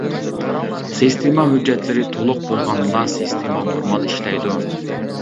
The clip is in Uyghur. سىستېما ھۆججەتلىرى تولۇق بولغاندىلا سىستېما نورمال ئىشلەيدۇ.